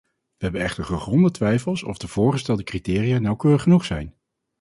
We hebben echter gegronde twijfels of de voorgestelde criteria nauwkeurig genoeg zijn.